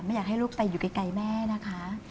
อยากให้ลูกใส่อยู่ไกลแม่นะคะ